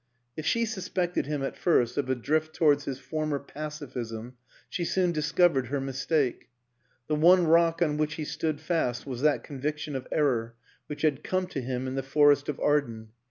If she suspected him at first of a drift towards his former " pacifism " she soon discovered her mistake ; the one rock on which he stood fast was that conviction of error which had come to him in the Forest of Arden.